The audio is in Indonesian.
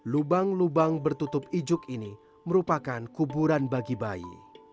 lubang lubang bertutup ijuk ini merupakan kuburan bagi bayi